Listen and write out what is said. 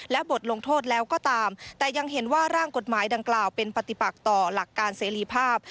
และบทลงโทษแล้วก็ตามแต่ยังเห็นว่าร่างกฎหมายดังกล่าวเป็นปฏิปักต่อหลักการเสรีภาพ